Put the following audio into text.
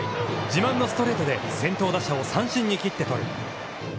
自慢のストレートで、先頭打者を三振に切ってとる。